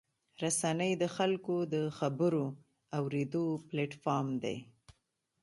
رسنۍ د خلکو د خبرو اورېدو پلیټفارم دی.